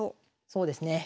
そうですね。